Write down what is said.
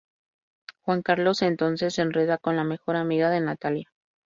Juan Carlos entonces se enreda con la mejor amiga de Natalia.